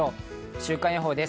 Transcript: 週間予報です。